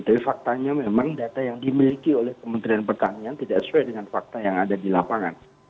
tapi faktanya memang data yang dimiliki oleh kementerian pertanian tidak sesuai dengan fakta yang ada di lapangan